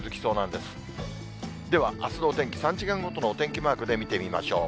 では、あすのお天気、３時間ごとのお天気マークで見てみましょう。